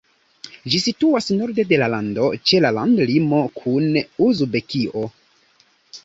Ĝi situas norde de la lando, ĉe la landlimo kun Uzbekio.